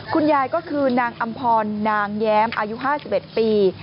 คุณยายก็คือนางอำพรนางแย้มอายุ๕๑ปี